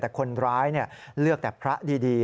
แต่คนร้ายเลือกแต่พระดี